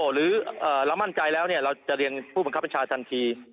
หรือเรามั่นใจแล้วเราจะเรียนผู้บังคับบัญชาทันที